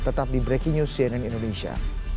tetap di breaking news cnn indonesia